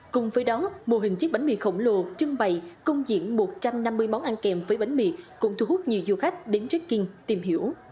cùng với đó mô hình chiếc bánh mì khổng lồ trưng bày công diện một trăm năm mươi món ăn kèm với bánh mì cũng thu hút nhiều du khách đến trích kinh tìm hiểu